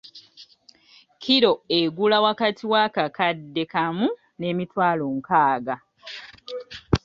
Kkiro egula wakati w’akakadde kamu n’emitwalo nkaaga.